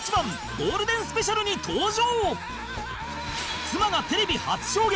ゴールデンスペシャルに登場！